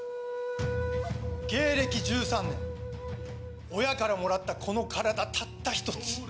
芸歴１３年親からもらったこの体たった一つ。